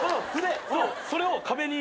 それを壁に。